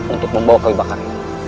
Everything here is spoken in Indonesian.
untuk membawa kau ke bakarimu